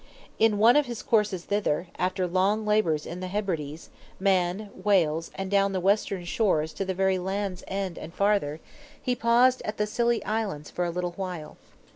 In one of his courses thither, after long labors in the Hebrides, Man, Wales, and down the western shores to the very Land's End and farther, he paused at the Scilly Islands for a little while.